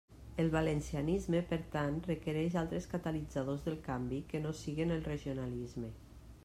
El valencianisme, per tant, requereix altres catalitzadors del canvi que no siguen el regionalisme.